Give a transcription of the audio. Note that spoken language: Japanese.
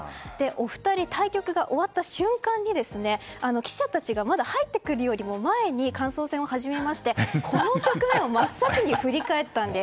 お二人、対局が終わった瞬間に記者たちが入ってくるよりも前に感想戦を始めましてこの局面を真っ先に振り返ったんです。